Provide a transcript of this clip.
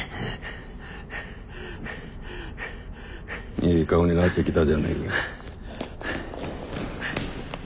いい顔になってきたじゃねえか。